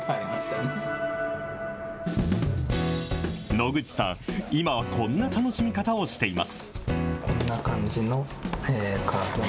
野口さん、今、こんな楽しみ方をしています。